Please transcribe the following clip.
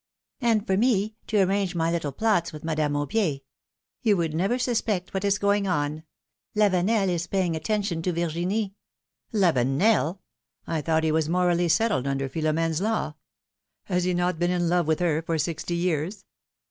"And for me, to arrange my little plots with Madame Aubier. You would never suspect what is going on! Lavenel is paying attention to Virginie!" "Lavcnel? I thought he was morally settled under Philomene's law! Has he not been in love with her for sixty years?"